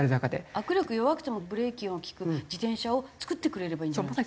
握力弱くてもブレーキの利く自転車を作ってくれればいいんじゃないですか？